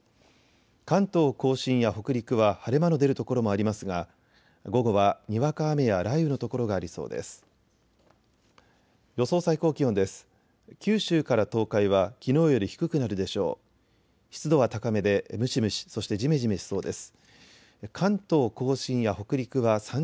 関東甲信や北陸は晴れ間の出る所もありますが午後はにわか雨や雷雨の所がありそうです。